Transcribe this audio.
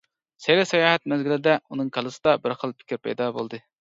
سەيلە-ساياھەت مەزگىلىدە ئۇنىڭ كاللىسىدا بىر خىل پىكىر پەيدا بولدى.